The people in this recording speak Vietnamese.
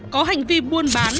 có hành vi buôn bán